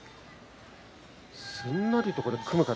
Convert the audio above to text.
すんなりと組む形。